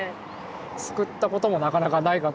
すくったこともなかなかないかと。